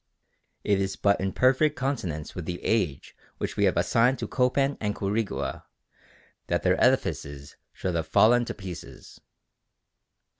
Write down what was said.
It is but in perfect consonance with the age which we have assigned to Copan and Quirigua that their edifices should have fallen to pieces.